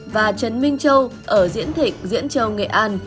và trần minh châu ở diễn thịnh diễn châu nghệ an